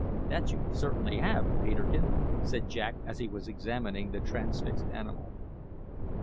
"That you certainly have, Peterkin," said Jack as he was examining the transfixed animal.